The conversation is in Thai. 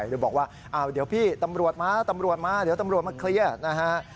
เลยบอกว่าอ้าวเดี๋ยวพี่ตำรวจมาตำรวจมาเดี๋ยวตำรวจมาเคลียร์นะฮะ